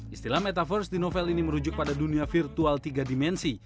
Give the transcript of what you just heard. istilah metaverse di novel ini merujuk pada dunia virtual tiga dimensi